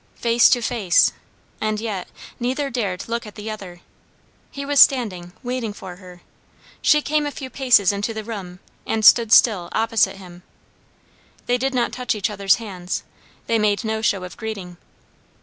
Face to face, and yet, neither dared look at the other. He was standing, waiting for her; she came a few paces into the room and stood still opposite him; they did not touch each other's hands; they made no show of greeting.